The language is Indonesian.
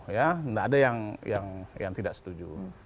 ya tidak ada yang tidak setuju